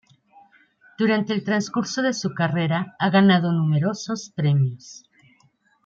Durante el transcurso de su carrera ha ganado numerosos premios.